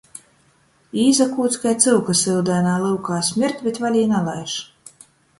Īsakūds kai cyuka syudainā lyukā – smird, bet vaļā nalaiž.